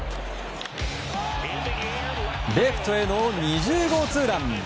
レフトへの２０号ツーラン！